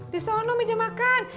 disono meja makan